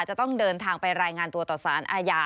จะต้องเดินทางไปรายงานตัวต่อสารอาญา